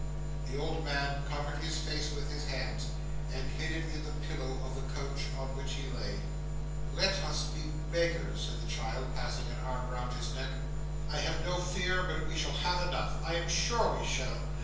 The old man covered his face with his hands, and hid it in the pillow of the couch on which he lay. 'Let us be beggars,' said the child passing an arm round his neck, 'I have no fear but we shall have enough, I am sure we shall.